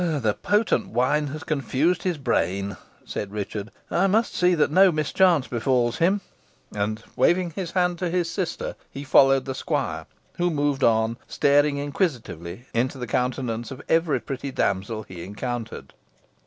"The potent wine has confused his brain," said Richard. "I must see that no mischance befalls him." And, waving his hand to his sister, he followed the squire, who moved on, staring inquisitively into the countenance of every pretty damsel he encountered.